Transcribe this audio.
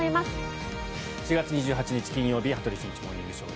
４月２８日、金曜日「羽鳥慎一モーニングショー」。